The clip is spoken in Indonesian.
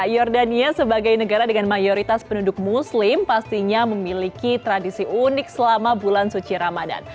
jordania sebagai negara dengan mayoritas penduduk muslim pastinya memiliki tradisi unik selama bulan suci ramadan